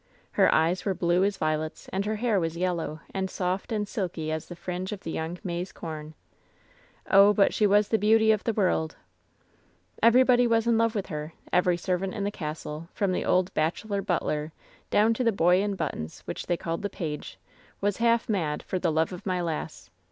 Her eyes were blue as violets, and her hair was yellow and soft and silky as the fringe of the young maize com. "Oh, but she was the beauty of the world 1 "Everybody was in love with her. Every servant in the castle, from the old bachelor butler down to the boy in buttons, which they called the page, was half mad for the love of my lass.